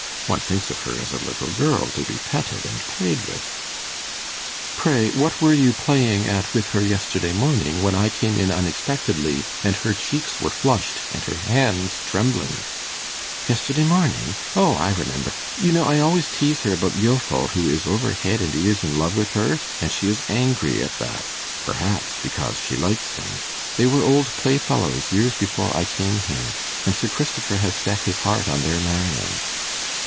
One thinks of her as a little girl to be petted and played with.' 'Pray, what were you playing at with her yesterday morning, when I came in unexpectedly, and her cheeks were flushed, and her hands trembling?' 'Yesterday morning? O, I remember. You know I always tease her about Gilfil, who is over head and ears in love with her; and she is angry at that, perhaps, because she likes him. They were old playfellows years before I came here, and Sir Christopher has set his heart on their marrying.